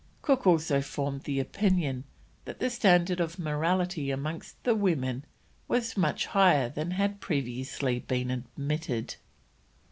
Cook also formed the opinion that the standard of morality amongst the women was much higher than had previously been admitted.